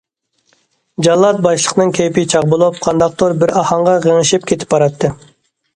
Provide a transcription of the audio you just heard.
جاللات باشلىقىنىڭ كەيپى چاغ بولۇپ، قانداقتۇر بىر ئاھاڭغا غىڭشىپ كېتىپ باراتتى.